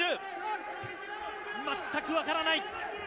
全くわからない。